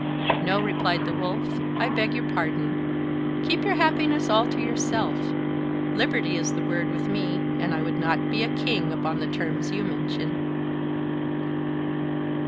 "No," replied the Wolf, "I beg your pardon: keep your happiness all to yourself. Liberty is the word with me; and I would not be a king upon the terms you mention."